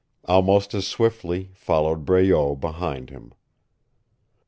Almost as swiftly followed Breault behind him.